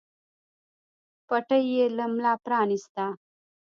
پټۍ يې له ملا پرانېسته.